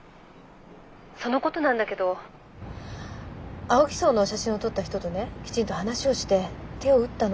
そのことなんだけど青木荘の写真を撮った人とねきちんと話をして手を打ったの。